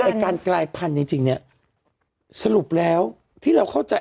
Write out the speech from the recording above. แต่การกลายพันธุ์จริงจริงเนี่ยสรุปแล้วที่เราเข้าใจ